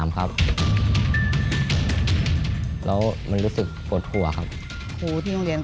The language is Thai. พ่อก็เลยไปรับเขาที่โรงเรียน